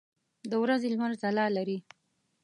د ورځې لمر ځلا لري.